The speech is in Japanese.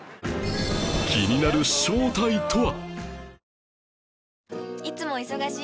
気になる正体とは？